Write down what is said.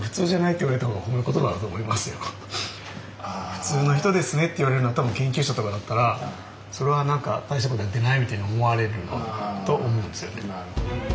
「普通の人ですね」って言われるのは多分研究者とかだったらそれは大したことやってないみたいに思われると思うんですよね。